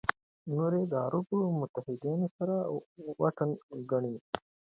نور یې د عربو متحدینو سره واټن ګڼي.